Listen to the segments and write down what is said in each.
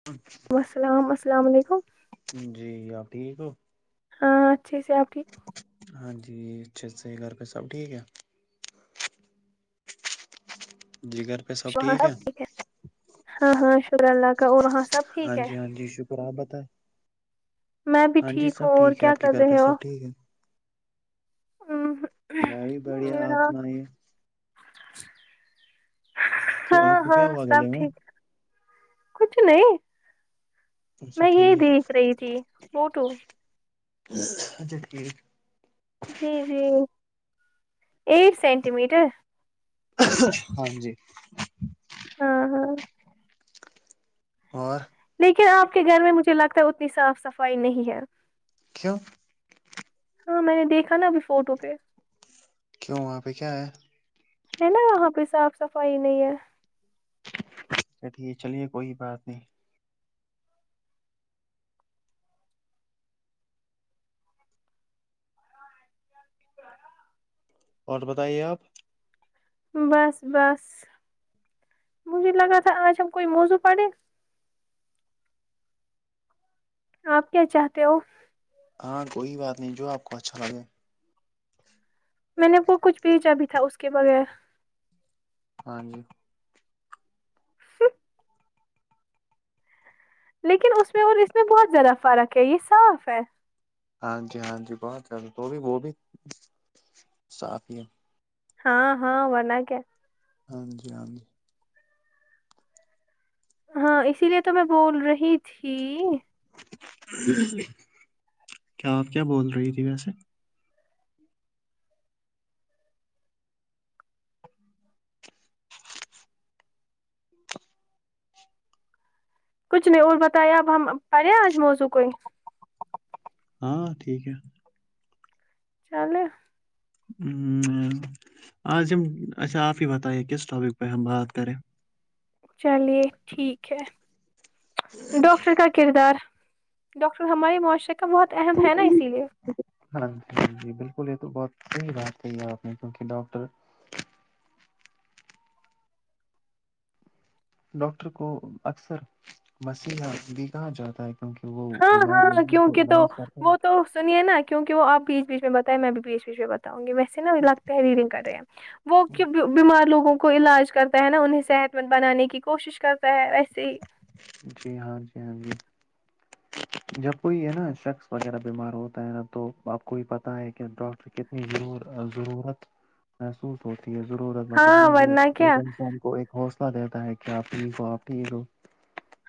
اچ السلام السلام علیکم جی آپ ٹھیک ہو ہاں اچھھی سے آپ کی ہاں جی اچھا صحیح گھر پہ سب ٹھیک ہے جگر وہاں سب ٹھیک ہے ہاں ہاں شکر اللہ کا وہاں سب ہاں ٹھیک ہے جی ہاں جی شکر اپ بہتے میں بھی ہاں جی سب ہوں اور ٹھیک ہے کیا آپ کے کر گھر پہ رہے سب ٹھیک ہے ام ہ میں بھی بڑھیا آپ سنائیے کیوں ہاں آپ کو ہاں کیا ہوا سب گلے میں ٹھیک کچھ نہیں اچھا میں یہ ٹھیک دیکھ رہی تھی موٹو اچھا ٹھیک جی جی ایٹ سینٹی میٹر ہاں جی ہاں ہاں اور لیکن آپ کے گھر میں مجھے لگتا ہے اتنی صاف صفائی نہیں ہے کیوں ہاں میں نے دیکھا نہ ابھی فوٹو پہ کیوں وہاں پہ کیا ہے ہے نا وہاں پہ صاف صفائی نہیں ہے چ ٹھیک چلیے کوئی بات نہیں اور بتائیے آپ بس بس مجھے لگا تھا آج ہم کوئی موزو پڑے آپ کیا چاہتے ہو ہاں کوئی بات نہیں جو آپ کو اچھا لگے میں نے وہ کچھ بھیجا بھی تھا اس کے بغیر ہاں جی لیکن اس میں اور اس میں بہت زیادہ فرق ہے یہ صاف ہے ہاں جی ہاں جی بہت زیادہ وہ بھی وہ بھی صاف ہی ہے ہاں ہاں بنا کیا ہاں جی آمی ہاں اسی لیے تو میں بول رہی تھی کیا آپ کیا بول رہی تھی ویسے کچھ نہیں اور بتایا اب ہم پڑے آج موضوع کو ہی ہاں ٹھیک ہے چلیں ہ آج ہم اچھا آپ ہی بتائے کس ٹاپک پہ ہم بات کریں چلیے ٹھیک ہے ڈاکٹر کا کردار ڈاکٹر ہمارے معاشرے کا بہت اہم ہے نا اسی لیے ہاں جی ہاں جی بالکل یہ تو بہت صحیح بات کہی آپ نے کیونکہ ڈاکٹر ڈاکٹر کو اکثر مسیحہ بھی کہا جاتا ہے کہ ہاں ہاں کیونکہ تو کرتا وہ ہے تو سنیے نا کیونکہ وہ آپ بیچ بیچ میں مت ائیے میں بھی بیچ بیچ میں بھی مت اؤں گی میں تحریر کر رہے ہیں وہ کہ بیمار لوگوں کو کو علاج کرتا ہے نا انہیں صحت مند بنانے کی کوشش کرتا ہے ویسے ہی جی ہاں جی ہاں جی جب کوئی ہے نا شخص وغیرہ بیمار ہوتا ہے نا تو آپ کو بھی پتا ہے کہ ڈاکٹر ک کتنی ضرور آ ضرورت محسوس ہوتی ہے ضرورت مطلب نا ہاں وہ ورنہ کیا ایک انسان کو ایک حوصلہ دیتا ہے کہ آپ ٹھیک ہو آپ ٹھیک ہو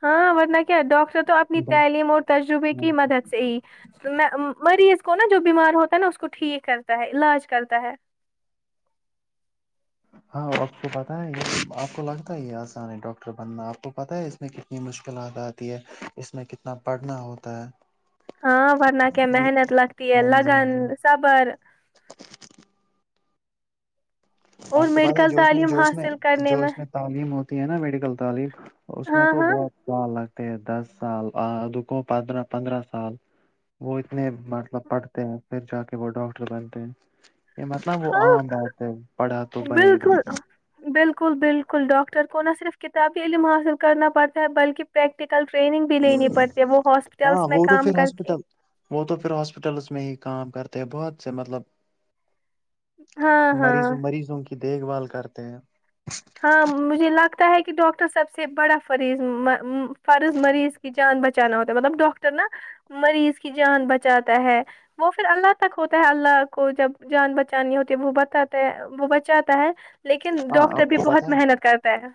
ہاں ورنہ کیا ڈاکٹر تو اپنی تعلیم اور تجربے ہو کی مدد سے ہی میں مریض کو نا جو بیمار ہوتا ہے نا اس کو ٹھیک کرتا ہے علاج کرتا ہے ہاں آپ کو پتہ ہے یہ آپ کو لگتا ہے یہ آسان ہے ڈاکٹر بنا آپ کو پتاہ ہے اس میں ک کی مشکلات آتی ہے اس میں کتنا پڑھنا ہوتا ہے ہاں ورنہ کیا ہاں محنت لگتی ہے جی ہاں لگن جی صبر آپ اور کی بات ہے میڈیکل جو اس میں تعلیم جو اس میں حاصل کرنے جو اس میں تعلیم ہوتی ہے نا میڈیکل تعلیم اس میں ہاں تو ہاں بہت سال لگتے ہیں دس سال رکوں پندرہ پندرہ سال وہ اتنے مطلب پڑھتے ہیں پھر جا کے وہ ڈاکٹر بنتے ہیں یہ مطلب وہ ہاں عام بات ہے پڑھا تو بنے بالکل بالکل بالکل ڈاکٹر کو نہ صرف کتابی علم حاصل کرنا پڑتا ہے بلکہ پریکٹیکل ٹریننگ بھی لینی پڑتی ہے وہ ہاں ہسپتالس میں وہ تو کام پھر کر کے ہاسپٹل وہ تو پھر ہاسپتالس میں ہی کام کرتے ہیں بہت سے مطلب ہاں مریض ہاں مریضوں کی دیکھ بھال کرتے ہیں ہاں مجھے لگتا ہے کہ ڈاکٹر سب سے بڑا فریض فرض مریض کی جان بچ بچانا ہوتا مطلب ڈاکٹر نا مریض کی جان بچاتا ہے وہ پھر اللہ تک ہوتا ہے اللہ کو جب جان بچانی ہوتی ہے وہ بتاتا ہے وہ بچاتا ہے لیکن ہاں ڈاکٹر آپ بھی کو پتہ بہت ہے محنت کرتے ہے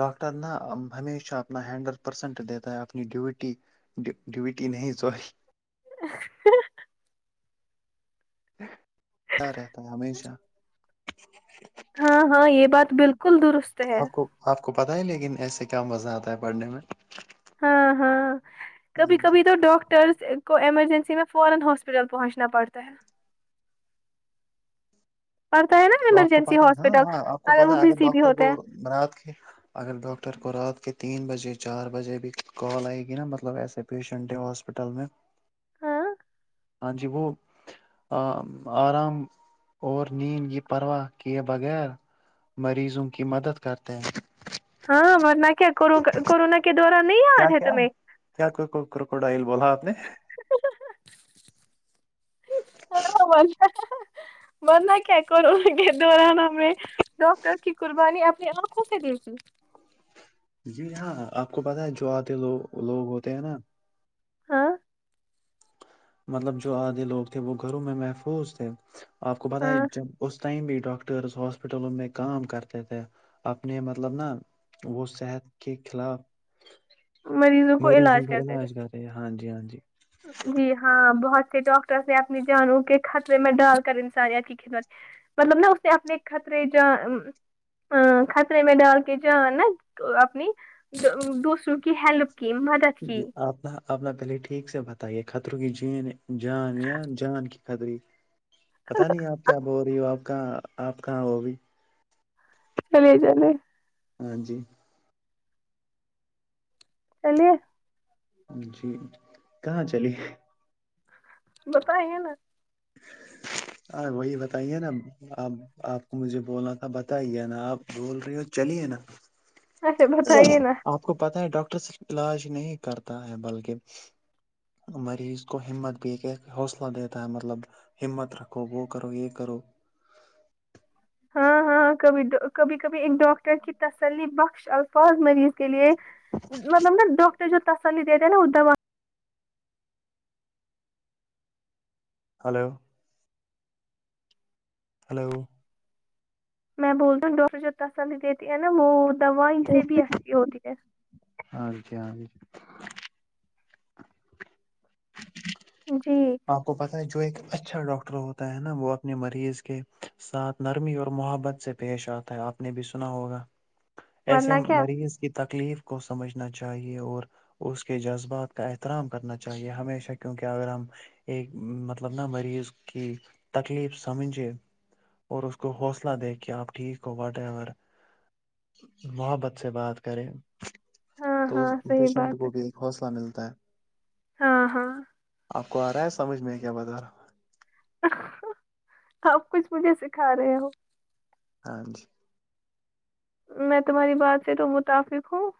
ڈاکٹر نا ہمیشہ اپنا ہنڈریڈ پرسنٹ دیتا ہے اپنی ڈیوٹی ڈیو ڈیوٹی نہیں سوری کیا رہتا ہے ہمیںشہ ہاں ہاں یہ بات بالکل درست ہے آپ کو آپ کو پتہ ہے لیکن ایسے کیا مزہ آتا ہے پڑھنے میں ہاں ہاں ہاں کبھی جی کبھی تو ڈاک ٹر کو ایمرجنسی میں فورا ہاسپٹل پہنچنا پڑتا ہے پڑتا ہے نا تو آپ کو ایمرجنسی پتا ہاں ہاسپٹل ہاں آپ کو اگر وہ پتا بزی بھی ہوتے ہیں [unintelligible] اگر ڈاکٹر کو رات کے تین بجے چار بجے بھی کال آئی گی نہ مطلب ایسے پیشنٹس ہوس میں [unintelligible] ہاں ہاں جی وہ آرام اور نیند یہ پرواہ کیے بغیر مریضوں کی مدد کرتے ہیں ہاں مرنا کیا کرو گا کورونا کے دوران نہیں یاد کیا ہے کیا تمہیں کیا کروکوڈائل بولا آپ نے ہاں ہاں مارنا کیا کرونا کے دوران ہمیں تو ت کی قربانی اپنی آنکھوں سے دی گئی جی ہاں آپ کو پتا ہے جو آتے لو لوگ ہوتے ہیں نا ہاں مطلب جو آدھے لوگ تھے وہ گھروں میں محفوظ تھے آپ کو پتا ہاں ہے جب اس ٹائم بھی ڈاک ٹرس ہاسپٹلوں میں کام کرتے تھے اپنے مطلب نا وہ صحت کے خلاف کو مریضوں کا کرتے تھے علاج کر ہاں جی ہاں جی جی ہاں بہت سے ڈاکٹرس نے اپنی جانوں کے خطرے میں ڈال کر ان ساری کی خدمت مطلب نا اسے اپنے خطرے جا ا خطرے میں ڈال کے جان نا اپنی دو دوسروں کی ہیلپ کی مدد جی کی آپ ہا آپ نا پہلے ٹھیک سے بتائیے خطروں کی جین جان یا جان کی خطری پتا نہیں آپ کیا بول رہی ہو آپ کہاں آپ کہاں وہ بھی چلیے چلے ہاں جی چلیے جی کہاں چلی بتائے ہیں نا ہاں وہی بتائیے نا آپ آپ کو مجھے بولنا تھا بتائیے نا آپ بول رہے ہو چلیے نا اچھا آپ بتائیے نا آپ کو پتا ہے ڈاکٹر صرف علاج نہیں کرتا ہے بلکہ مریض کو ہمت بھی کے حوصلہ دیتا ہے مطلب ہمت رکھو وہ کرو یہ کرو ہاں ہاں کبھی ڈو کبھی کبھی ایک ڈاکٹر کی تسلی بخش اور الفاظ مریض کے لیے مطلب نا ڈاکٹر جو تسلی دیتے ہیں نا وہ دوا ہلو ہلو میں بولتا ہوں ڈاکٹر جو تسلی دیتی ہے نا وہ دوائی سے بھی اچھی ہوتی ہے ہاں جی ہاں جی جی آپ کو پتا ہے جو ایک اچھا ڈاکٹر ہوتا ہے نا وہ اپنے مریض کے ساتھ نرمی اور محبت سے پیش آتا ہے آپ نے بھی سنا ہوگا ایسے ورنہ کیا مریض کی تکلیف کو سمجھنا چاہیے اور اس کے جذبات کا احترام کرنا چاہیے ہمیشہ کیونکہ اگر ہم ایک مطلب نا مریض کی تکلیف سمجھے اور اس کو حوصلہ دے کہ آپ ٹھیک ہو وٹ ایور محبت سے بات کریں ہاں تو اس ہاں صحیح پیشنٹ بات کو بھی ایک حوصلہ ملتا ہے ہاں ہاں آپ کو آ رہا ہے سمجھ میں ہے کیا بتا رہا سب کچھ مجھے سکھا رہے ہو ہاں جی میں تمہاری بات سے تو متفق ہوں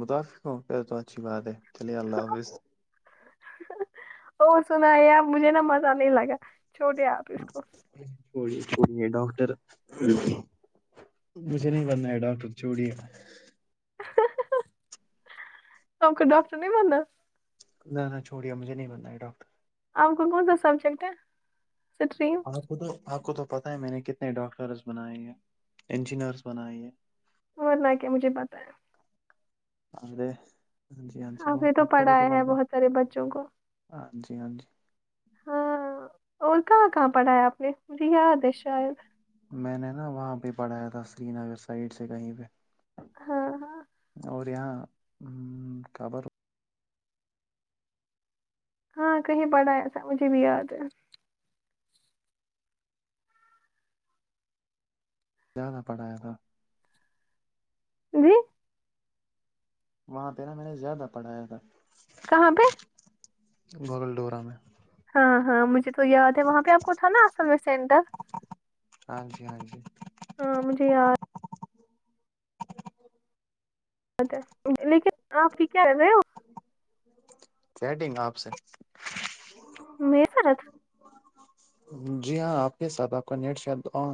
متافق ہوں پے تو اچھی بات ہے چلیے اللہ حافظ اور سنا آپ مجھے نا مزہ نہیں لگا چھوٹے آپ اس کو کوئی کوئی ڈاکٹر مجھے نہیں بنا ہے ڈاکٹر چوڑی تو آپ کو ڈاکٹر نہیں بنا نہ نہ چوڑیا مجھے نہیں بنا ہے ڈاکٹر آپ کو کون سا سبجیکٹ ہے سٹری آپ کو تو آپ کو تو پتاہ ہے میں نے کتنے ڈاکٹرس بنائے ہیں انجینئرس بنائیے اور نہ کیا مجھے بتایا اے ہاں جی ہاں جی نے بہت آپ بھی تو پڑھایا ہے بہت سارے بچوں کو ہاں جی ہاں جی ہاں اور کہاں کہاں پڑھا ہے آپ نے مجھے یاد ہے شاید میں نے نا وہاں پہ پڑھایا تھا سری نگر سائڈ سے کہیں پہ ہاں ہاں اور یہاں ام کبر ہاں کہیں پڑا ہے تھا مجھے بھی یاد ہے زیادہ پڑھایا تھا جی وہاں پہ نا میں نے زیادہ پڑھایا تھا کہاں پہ بغل ڈورا میں ہاں ہاں مجھے تو یاد ہے وہاں پہ آپ کو تھا نا اصل میں سینٹر ہاں جی ہاں جی ہاں مجھے یاد یاد ہ لیکن آپ کی کرہے ہو چیٹگ آپ سے میرے ساتھ جی ہاں آپ کے ساتھ آپ کا نیٹ شاید آن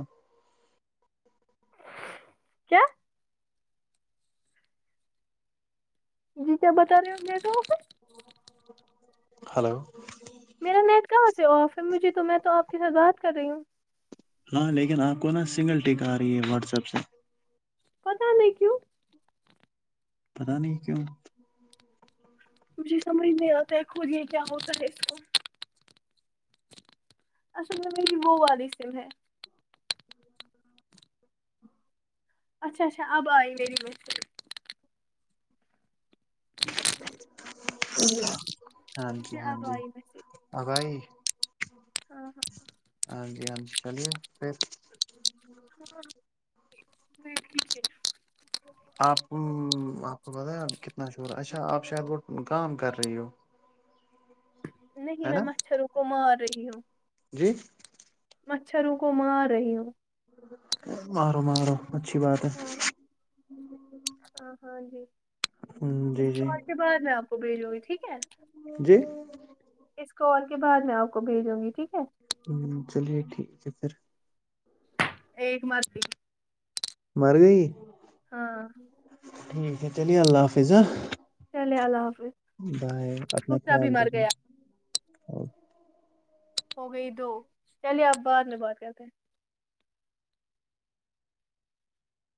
کیا جی کیا بتا رہے ہو بی تو ہلو میرا نیٹ کہاں سے آف ہے مجھے تو میں تو آپ کے ساتھ بات کر رہی ہوں ہاں لیکن آپ کو نا سنگل ٹیک آ رہی ہے واٹس ایپ سے پتا نہیں کیوں پتا نہیں کیوں مجھے سمجھ نہیں آتا ہے خود یہ کیا ہوتا ہے اس کو اصل میں میری وہ والی سم ہے اچھا اچھا اب آئی میری مشین ہاں جی مجھے ہاں اب جی آئی میسج اب آئی ہاں ہاں ہاں جی ہاں جی چلیے پھر ہاں ابھی ٹیک ہے آپ آپ کو پتہ ہے کتنا شور اچھا آپ شاید وہ کام کر رہی ہو نہیں ہے میں نا مچھروں کو مار رہی ہوں جی مچھروں کو مار رہی ہوں مارو مارو اچھی بات ہے ہاں ہاں ہاں جی اس جی جی کال کے بعد میں آپ ا بھی جوئی ٹھیک ہے جی اس کال کے بعد میں آپ کو بھیجوں گی ٹھیک ہے امم چلیے ٹھیک ہے پھر ایک ماردی مر گئی ہاں ٹھیک ہے چلیے اللہ حافظ ہاں چلے اللہ حافظ بائے اپنا دوسرا خیال بھی مر گیا رکھو ہو گئی دو چلیے آپ بعد میں بات کرتے ہیں